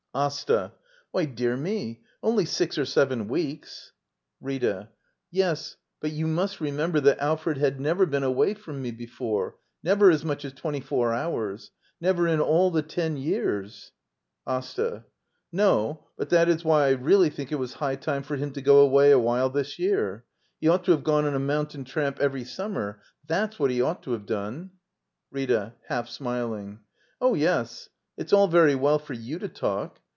Asta. Why, dear me, only six or seven weeks — d by Google Act I. <^ LITTLE EYOLF Rita. Yes; but you must remember that Al fred had never been away from me before — never as much as twenty four hours. Never in all the ten years — AsTA. No; but that is why I really think it was high time for him to go away awhile this year. He ought to have gone on a mountain tramp every summer — that's what he ought to have done. Rita. [Half smiling.] Oh, yes; it's all very well for you to talk.